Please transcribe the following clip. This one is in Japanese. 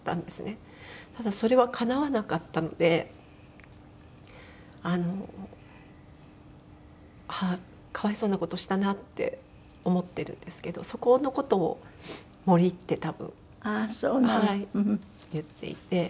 ただそれはかなわなかったのであのああ可哀想な事をしたなって思ってるんですけどそこの事を「森」って多分言っていて。